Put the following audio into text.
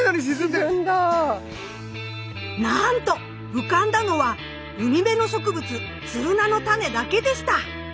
なんと浮かんだのは海辺の植物ツルナのタネだけでした。